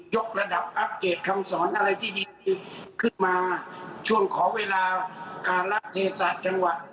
ยกระดับอัพเกตคำสอนอะไรที่ดีขึ้นมาช่วงขอเวลาการราชเทศจังหวะ